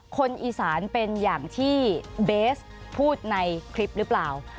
คนอีสานเป็นอย่างที่เบสพูดในคลิปหรือเปล่า